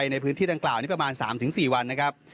ในพื้นที่ดังกล่าวนี้ประมาณ๓๔วันนะครับ